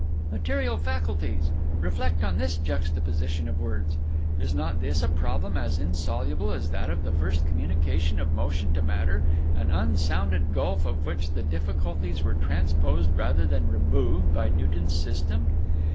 "Material faculties! Reflect on this juxtaposition of words. Is not this a problem as insoluble as that of the first communication of motion to matter an unsounded gulf of which the difficulties were transposed rather than removed by Newton's system?